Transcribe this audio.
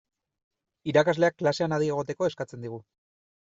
Irakasleak klasean adi egoteko eskatzen digu.